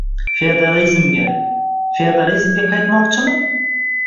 Feodalizmga... feodalizmga qaytmoqchimi?